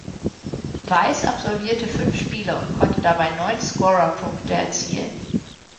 Weiß absolvierte fünf Spiele und konnte dabei neun Scorerpunkte erzielen.